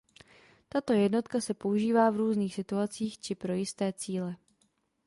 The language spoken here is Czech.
Tato jednotka se používá v různých situacích či pro jisté cíle.